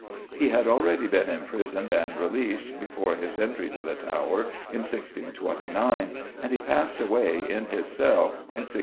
He had already been imprisoned, and released, before his entry to the Tower in 1629, and he passed away, in his cell, in 1632.